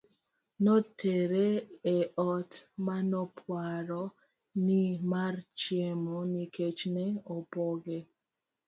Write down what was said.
notere e ot manoparo ni mar chiemo nikech ne opoge